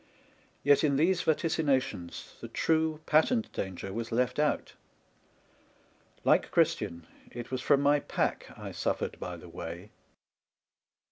Yet in these vaticinations, the true, patent danger was left out. Like Christian, it was from my pack I suffered by the way.